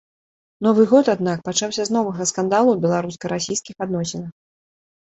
Новы год, аднак, пачаўся з новага скандалу ў беларуска-расійскіх адносінах.